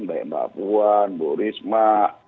baik mbak puan bu risma